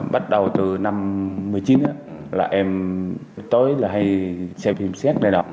bắt đầu từ năm một mươi chín là em tối là hay xem phim xét này đọc